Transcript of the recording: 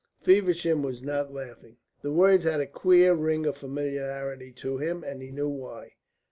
Feversham was not laughing. The words had a queer ring of familiarity to him, and he knew why.